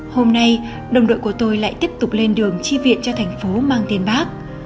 hôm nay đồng đội của tôi lại tiếp tục lên đường chi viện cho thành phố mang tên bác